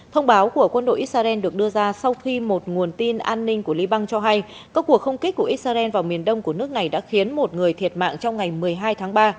thông báo của quân đội israel được đưa ra sau khi một nguồn tin an ninh của liban cho hay các cuộc không kích của israel vào miền đông của nước này đã khiến một người thiệt mạng trong ngày một mươi hai tháng ba